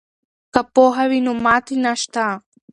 که پوهه وي نو ماتې نشته.